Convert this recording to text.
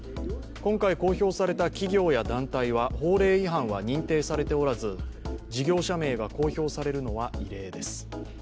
今回公表された企業や団体は法令違反は認定されておらず事業者名が公表されるのは異例です。